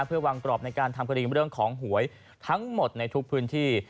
เพื่อวางกรอบในการทำคดีเรื่องของหวยทั้งหมดในทุกพื้นที่